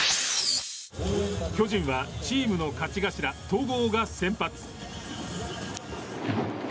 巨人はチームの勝ち頭戸郷が先発。